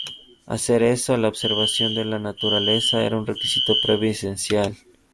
Hacer eso: la observación de la naturaleza, era un requisito previo esencial.